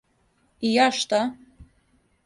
И ја шта?